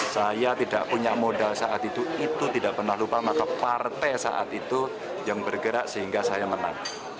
saya tidak punya modal saat itu itu tidak pernah lupa maka partai saat itu yang bergerak sehingga saya menang